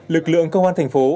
lực lượng công an tp